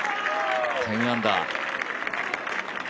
１０アンダー。